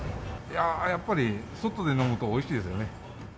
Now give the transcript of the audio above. やっぱり外で飲むとおいしいですよね。